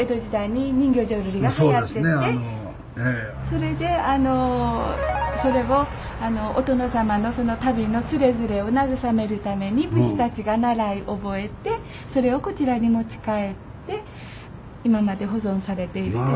それでそれをお殿様の旅のつれづれを慰めるために武士たちがならい覚えてそれをこちらに持ち帰って今まで保存されているって。